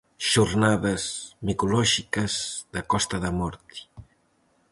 Xornadas micolóxicas da Costa da Morte.